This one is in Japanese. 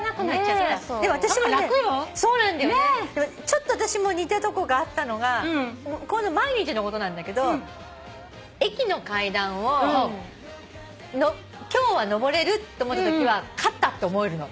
ちょっと私も似たとこがあったのが毎日のことなんだけど駅の階段を今日は上れると思ったときは勝ったって思えるの自分で。